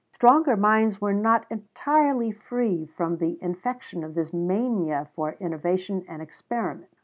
Stronger minds were not entirely free from the infection of this mania for innovation and experiment.